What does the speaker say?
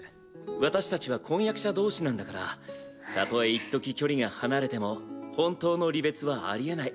私たちは婚約者同士なんだからたとえいっとき距離が離れても本当の離別はありえない。